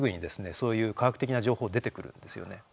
そういう科学的な情報出てくるんですよね。